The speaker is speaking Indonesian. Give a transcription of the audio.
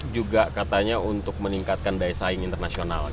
juga katanya untuk meningkatkan daya saing internasional